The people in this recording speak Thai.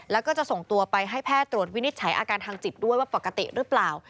แล้วก็จะส่งตัวไปให้แพทย์ตรวจวินิจฉัยอาการทางจิตด้วยว่าปกติหรือเปล่า